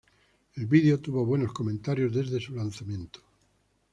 El vídeo tuvo buenos comentarios desde su lanzamiento.